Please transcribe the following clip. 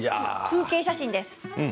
風景写真です。